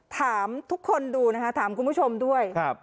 ถามทุกคนดูนะคะถามคุณผู้ชมด้วย